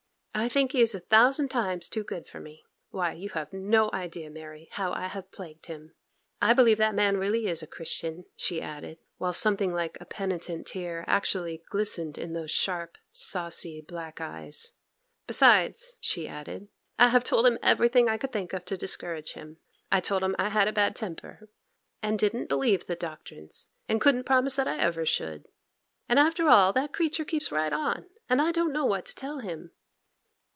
I think he is a thousand times too good for me. Why, you have no idea, Mary, how I have plagued him. I believe that man really is a Christian,' she added, while something like a penitent tear actually glistened in those sharp, saucy, black eyes; 'besides,' she added, 'I have told him everything I could think of to discourage him. I told him that I had a bad temper, and didn't believe the doctrines, and couldn't promise that I ever should. And after all, that creature keeps right on, and I don't know what to tell him.